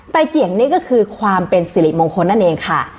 เกี่ยงนี่ก็คือความเป็นสิริมงคลนั่นเองค่ะ